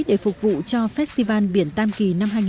để phục vụ các nghệ sĩ sử dụng bằng chất liệu sơn dầu